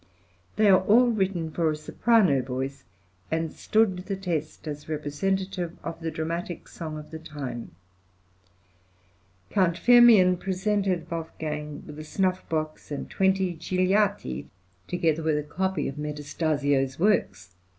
They are all written for a soprano voice, and stood the test as representative of the dramatic song of the time. Count Firmian presented Wolfgang with a snuff box and 20 gigliati, together with a copy of Metastasio's works.